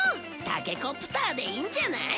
タケコプターでいいんじゃない？